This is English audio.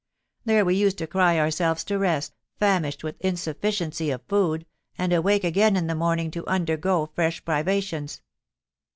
There we used to cry ourselves to rest, famished with insufficiency of food—and awake again in the morning to undergo fresh privations.